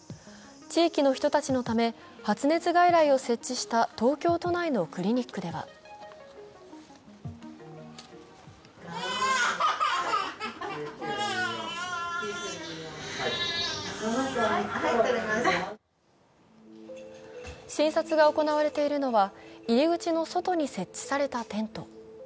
地域の人たちのため、発熱外来を設置した東京都内のクリニックでは診察が行われているのは入り口の外に設置されたテント。